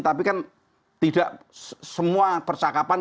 tapi kan tidak semua percakapan